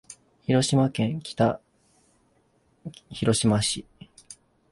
広島県北広島町